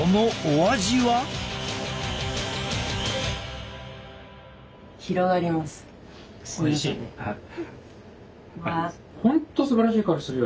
おいしい。